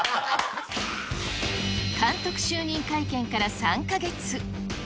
監督就任会見から３か月。